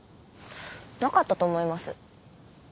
なかったと思います。